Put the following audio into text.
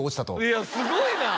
いやすごいな！